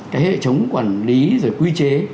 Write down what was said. cái hệ chống quản lý rồi quy chế